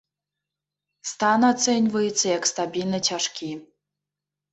Стан ацэньваецца як стабільна цяжкі.